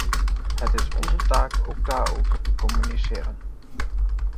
Het is onze taak ook daarover te communiceren.